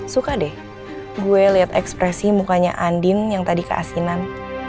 suka deh gue liat ekspresi mukanya andin yang tadi keasinan